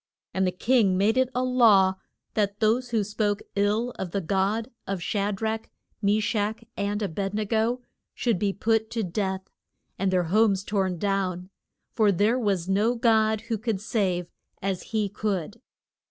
And the king made it a law that those who spoke ill of the God of Sha drach, Me shach, and A bed ne go should be put to death, and their homes torn down, for there was no God who could save as he could.